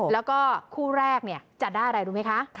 แล้วก็คู่แรกจะได้อะไรรู้ไหมคะ